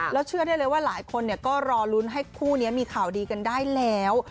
แล้วเชื่อได้เลยว่าหลายคนก็รอลุ้นให้คู่นี้มีข่าวดีกันได้แล้ว